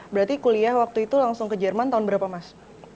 berarti kuliah waktu itu langsung ke jerman tahun berapa mas